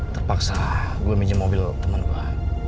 terpaksa gue minjem mobil teman gue